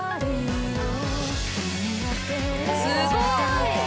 すごい。